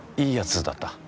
いいやつだった？